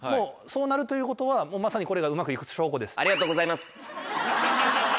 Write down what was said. そうなるということはまさにこれがうまく行く証拠です。